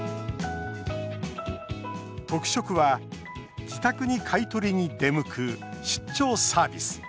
特色は自宅に買い取りに出向く出張サービス。